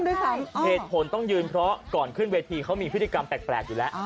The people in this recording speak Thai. เหตุผลต้องยืนเพราะก่อนขึ้นเวทีเขามีพฤติกรรมแปลกอยู่แล้ว